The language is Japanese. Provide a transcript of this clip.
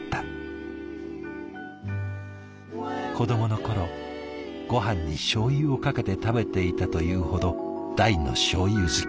子どもの頃ごはんにしょう油をかけて食べていたというほど大のしょう油好き。